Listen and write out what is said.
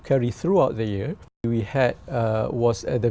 vì vậy chúng tôi đã có một gặp nhau